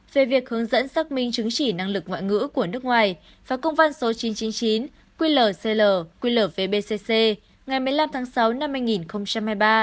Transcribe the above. về việc hướng dẫn xác minh chứng chỉ năng lực ngoại ngữ của nước ngoài và công văn số chín trăm chín mươi chín quy lở cl quy lở vbcc ngày một mươi năm tháng sáu năm hai nghìn hai mươi ba